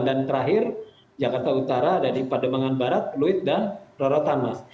dan terakhir jakarta utara ada di pademangan barat luit dan rorotan mas